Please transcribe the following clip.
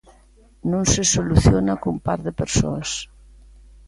Non se soluciona cun par de persoas.